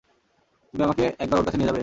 তুমি আমাকে একবার ওঁর কাছে নিয়ে যাবে?